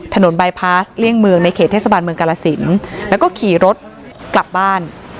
บายพาสเลี่ยงเมืองในเขตเทศบาลเมืองกาลสินแล้วก็ขี่รถกลับบ้าน